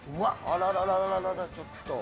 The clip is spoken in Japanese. あららららちょっと。